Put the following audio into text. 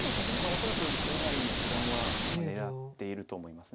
恐らく清成九段は狙っていると思います。